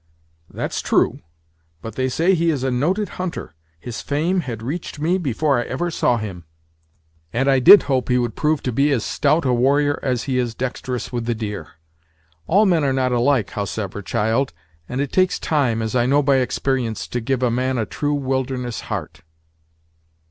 "That's true; but they say he is a noted hunter! His fame had reached me before I ever saw him; and I did hope he would prove to be as stout a warrior as he is dexterous with the deer. All men are not alike, howsever, child; and it takes time, as I know by experience, to give a man a true wilderness heart."